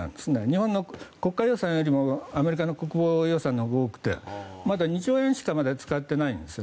日本の国家予算よりもアメリカの国防予算のほうが多くてまだ２兆円しか使っていないんです。